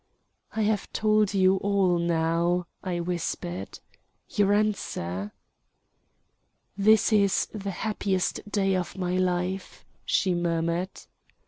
"I have told you all now," I whispered. "Your answer?" "This is the happiest day of my life," she murmured.